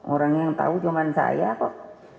orang yang tahu cuma saya kok